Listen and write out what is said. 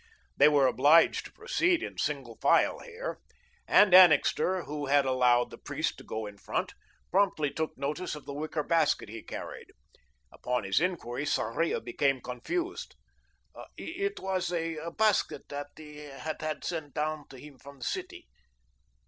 They were obliged to proceed in single file here, and Annixter, who had allowed the priest to go in front, promptly took notice of the wicker basket he carried. Upon his inquiry, Sarria became confused. "It was a basket that he had had sent down to him from the city."